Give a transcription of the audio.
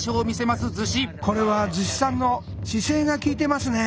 これは厨子さんの姿勢が利いてますね。